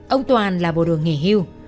ông toàn là bộ đường nghỉ hưu